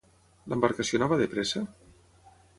L'embarcació anava de pressa?